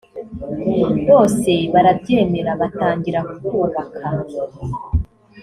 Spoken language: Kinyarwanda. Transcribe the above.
bose barabyemera batangira kubaka